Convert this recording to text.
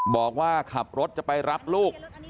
บอกว่าขับรถจะไปรับลูก